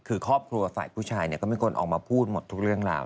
คือครอบครัวฝ่ายผู้ชายไม่ควรออกมาพูดทุกเรื่องราว